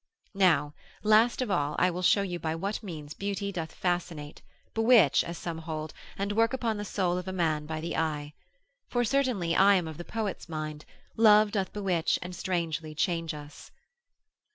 Now last of all, I will show you by what means beauty doth fascinate, bewitch, as some hold, and work upon the soul of a man by the eye. For certainly I am of the poet's mind, love doth bewitch and strangely change us.